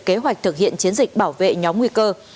kế hoạch thực hiện chiến dịch bảo vệ nhóm nguy cơ